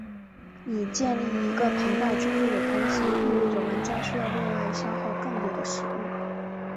你建立一个庞大军队的同时意味着玩家需要另外消耗更多的食物。